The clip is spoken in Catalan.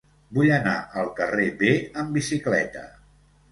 Vull anar al carrer B amb bicicleta.